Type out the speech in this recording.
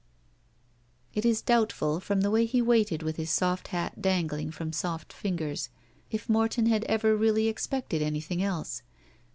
It is doubtful, from the way he waited with his soft hat dangling from soft fingers, if Morton had ever really expected anything else.